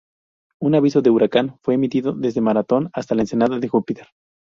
Un aviso de huracán fue emitido desde Marathon hasta la ensenada de Jupiter.